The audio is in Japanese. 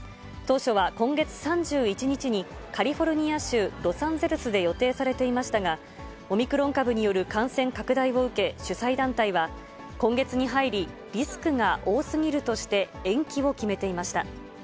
当初は今月３１日に、カリフォルニア州ロサンゼルスで予定されていましたが、オミクロン株による感染拡大を受け、主催団体は、今月に入り、リスクが多すぎるとして延期を決めていました。